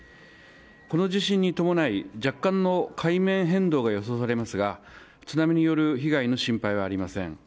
この地震に伴い若干の海面変動が予想されますが津波による被害の心配はありません。